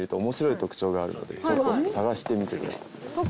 ちょっと探してみてもらうと。